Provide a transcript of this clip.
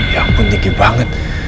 ya ampun tinggi banget